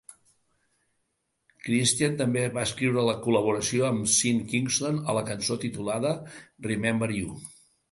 Cristian també va escriure la col·laboració amb Sean Kingston a la cançó titulada "Remember You".